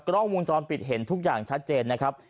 กล้องวงจรปิดเห็นทุกอย่างชัดเจนนะครับ